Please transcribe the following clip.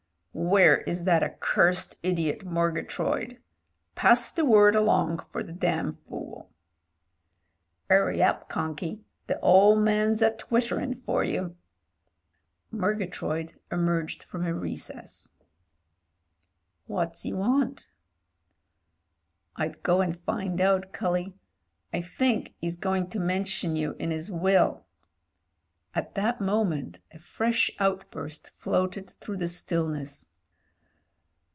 "Where is that accursed idiot, Murgatroyd? Pass the word along for the damn fool." " 'Urry up, Conky. The ole man's a twittering for you." Murgatroyd emerged from a recess. "What's 'e want?" "I'd go and find out, cully. I think 'e's going to mention you in 'is will." At that moment a fresh out burst floated through the stillness.